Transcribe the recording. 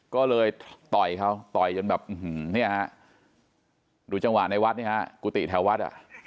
ก็เลยต่อยเขาต่อยจนแบบนี่ดูจังหวัดในวัดกุฏิแถววัด